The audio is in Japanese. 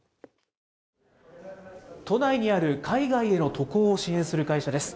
都内にある海外への渡航を支援する会社です。